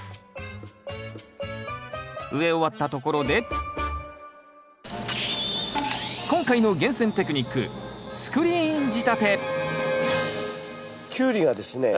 植え終わったところで今回の厳選テクニックキュウリがですね